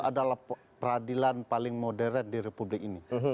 adalah peradilan paling modern di republik ini